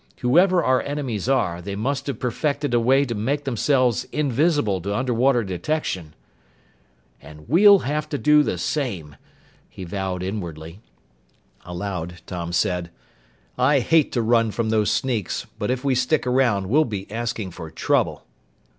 "Whoever our enemies are, they must have perfected a way to make themselves invisible to underwater detection. "And we'll have to do the same!" he vowed inwardly. Aloud, Tom said, "I hate to run from those sneaks, but if we stick around, we'll be asking for trouble."